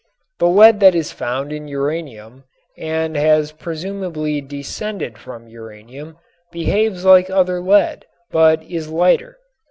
The lead that is found in uranium and has presumably descended from uranium, behaves like other lead but is lighter.